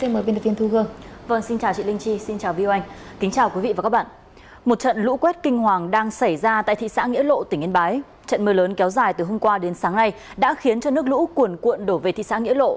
mưa lớn kéo dài từ hôm qua đến sáng nay đã khiến cho nước lũ cuồn cuộn đổ về thị xã nghĩa lộ